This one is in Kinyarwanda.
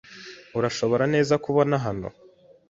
Urashobora kubona neza hano.